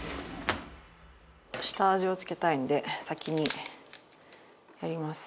下味を付けたいんで先にやります。